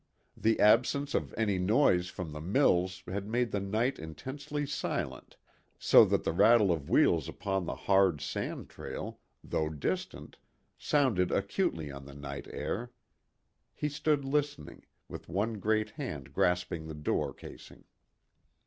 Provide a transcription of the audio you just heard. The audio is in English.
The absence of any noise from the mills had made the night intensely silent, so that the rattle of wheels upon the hard sand trail, though distant, sounded acutely on the night air. He stood listening, with one great hand grasping the door casing.